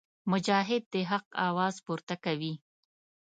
مجاهد د حق اواز پورته کوي.